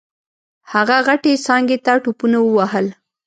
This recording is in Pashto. هغه غټې څانګې ته ټوپونه ووهل.